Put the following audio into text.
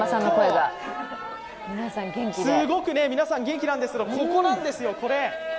皆さん、すごく元気なんですけど、ここなんですよ、これ。